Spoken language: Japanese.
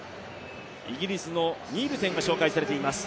イギリスのニールセンが紹介されています。